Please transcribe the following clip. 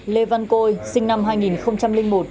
lê văn côi sinh năm hai nghìn một